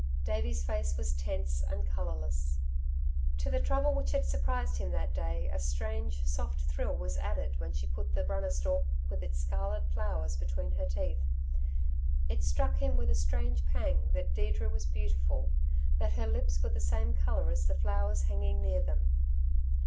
Davey's face was tense and colourless. To the trouble which had surprised him that day, a strange soft thrill was added when she put the runner stalk with its scarlet flowers between her teeth. It struck him with a strange pang that Deirdre was beautiful, that her lips were the same colour as the flowers hanging near them.